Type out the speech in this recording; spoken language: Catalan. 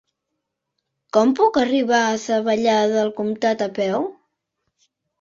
Com puc arribar a Savallà del Comtat a peu?